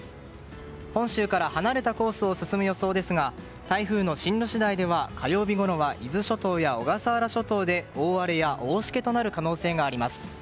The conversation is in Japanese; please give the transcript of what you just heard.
本州から離れたコースを進む予想ですが台風の進路次第では火曜日ごろは伊豆諸島や小笠原諸島で大荒れや大しけになる可能性があります。